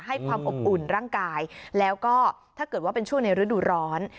ให้ความอบอุ่นร่างกายแล้วก็ถ้าเกิดว่าเป็นช่วงในฤดูร้อน